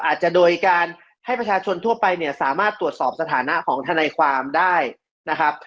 อาจจะโดยการให้ประชาชนทั่วไปเนี่ยสามารถตรวจสอบสถานะของทนายความได้นะครับ